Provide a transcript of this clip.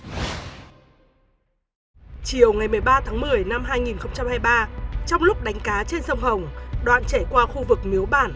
chiều ngày một mươi ba tháng một mươi năm hai nghìn hai mươi ba trong lúc đánh cá trên sông hồng đoạn chảy qua khu vực miếu bản